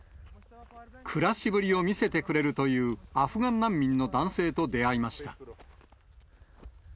暮らしぶりを見せてくれるというアフガン難民の男性と出会いました。